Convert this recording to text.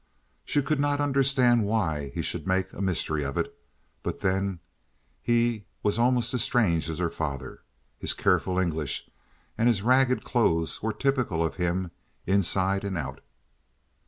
She could not understand why he should make a mystery of it; but then, he was almost as strange as her father. His careful English and his ragged clothes were typical of him inside and out.